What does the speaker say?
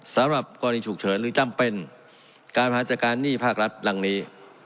สำหรับกรณีฉุกเฉินหรือจำเป็นการหาจัดการหนี้ภาครัฐหลังนี้